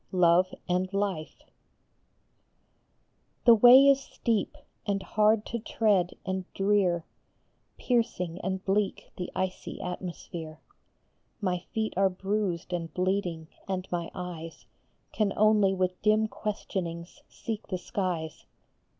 LOVE AND LIFE. THE way is steep, and hard to tread, and drear ; Piercing and bleak the icy atmosphere. My feet are bruised and bleeding, and my eyes Can only with dim questionings seek the skies.